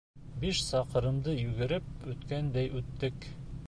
Биш саҡрымды йүгереп үткәндәй үттек.